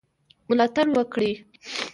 ملاتړ وکړي.